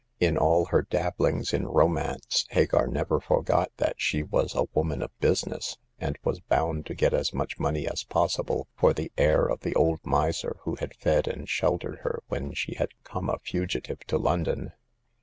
In all her dabblings in romance, Hagar never for got that she was a woman of business, and was bound to get as much money as possible for the heir of the old miser who had fed and sheltered her when she had come a fugitive to London.